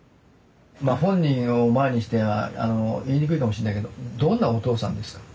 まあ本人を前にしては言いにくいかもしんないけどどんなお父さんですか？